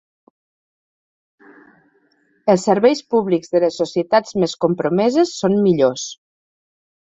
Els serveis públics de les societats més compromeses són millors.